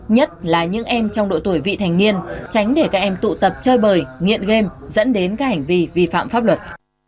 nhất là những em trong độ tuổi vị thành niên tránh để các em tụ tập chơi bời nghiện game dẫn đến các hành vi vi phạm pháp luật